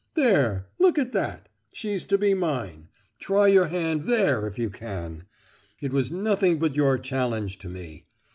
There, look at that! She's to be mine! Try your hand there if you can! It was nothing but your challenge to me!